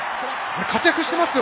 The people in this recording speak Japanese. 活躍していますよ！